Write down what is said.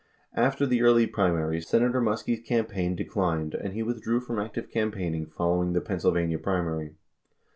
After the early primaries, Senator Muskie's campaign de clined, and he withdrew from active campaigning following the Penn sylvania primary.